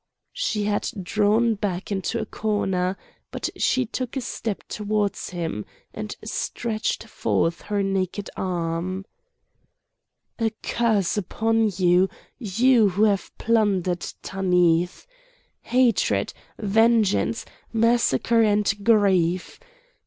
She had drawn back into a corner; but she took a step towards him, and stretched forth her naked arm: "A curse upon you, you who have plundered Tanith! Hatred, vengeance, massacre, and grief!